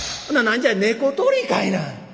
「ほな何じゃ猫捕りかいな。